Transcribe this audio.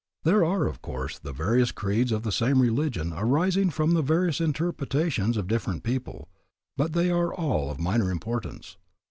There are, of course, the various creeds of the same religion arising from the various interpretations of different people, but they are all of minor importance.